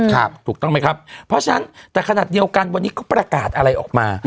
ถูกต้องไหมครับเพราะฉะนั้นแต่ขนาดเดียวกันวันนี้เขาประกาศอะไรออกมา